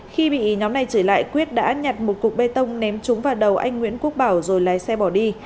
khi bị nhóm này trở lại quyết đã nhặt một cục bê tông ném trúng vào đầu anh nguyễn quốc bảo rồi lái xe bỏ đi